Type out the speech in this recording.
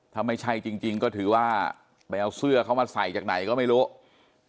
ถ้าไม่ใช่จริงก็ถือว่าไปเอาเสื้อเขามาใส่จากไหนก็ไม่รู้